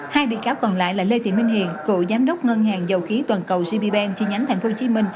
hai bị cáo còn lại là lê thị minh hiền cựu giám đốc ngân hàng dầu khí toàn cầu gb bank chi nhánh tp hcm